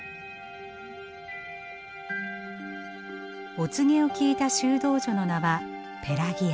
お告げを聞いた修道女の名はペラギア。